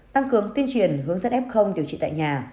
tăng cường tuyên truyền hướng dẫn f điều trị tại nhà